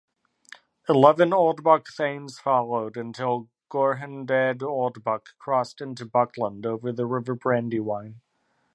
Eleven Oldbuck Thains followed, until "Gorhendad Oldbuck" crossed into Buckland over the river Brandywine.